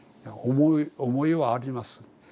思いはあります。